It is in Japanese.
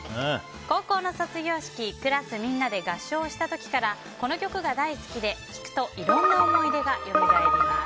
高校の卒業式クラスみんなで合唱した時からこの曲が大好きで聴くといろんな思い出がよみがえります。